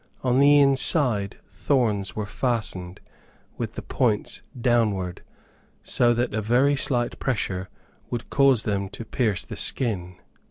On the inside thorns were fastened, with the points downward, so that a very slight pressure would cause them to pierce the skin.